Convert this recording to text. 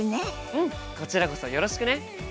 うんこちらこそよろしくね！